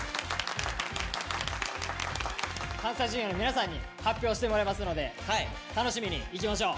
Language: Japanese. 関西Ｊｒ．の皆さんに発表してもらいますので楽しみにいきましょう。